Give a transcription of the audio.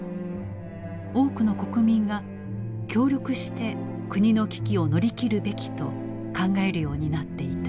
多くの国民が協力して国の危機を乗り切るべきと考えるようになっていた。